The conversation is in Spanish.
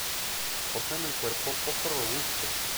Poseen el cuerpo poco robusto.